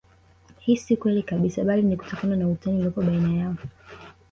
Hii si kweli kabisa bali ni kutokana na utani uliopo baina yao